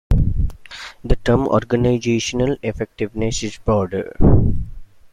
The term Organizational effectiveness is broader.